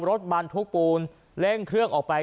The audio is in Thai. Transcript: รถบรรทุกปูนเร่งเครื่องออกไป